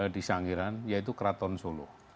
di sangiran yaitu keraton solo